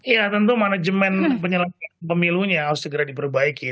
ya tentu manajemen penyelenggara pemilunya harus segera diperbaiki